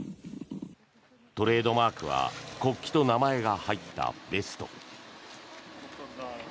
トレードマークは国旗と名前が入ったベスト。